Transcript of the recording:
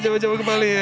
iya terima kasih